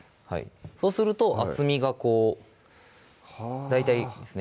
そうすると厚みがこう大体ですね